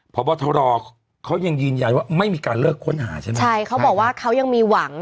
พบทรเขายังยืนยันว่าไม่มีการเลิกค้นหาใช่ไหมใช่เขาบอกว่าเขายังมีหวัง